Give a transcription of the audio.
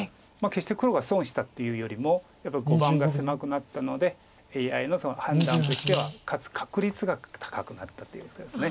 決して黒が損したというよりもやっぱり碁盤が狭くなったのでＡＩの判断としては勝つ確率が高くなったというわけです。